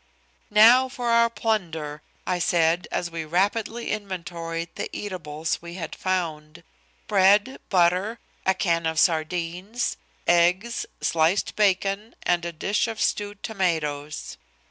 "Now for our plunder," I said, as we rapidly inventoried the eatables we had found. Bread, butter, a can of sardines, eggs, sliced bacon and a dish of stewed tomatoes.